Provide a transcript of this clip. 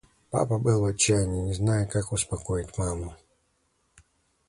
Папа был в отчаянии, не зная, как успокоить маму.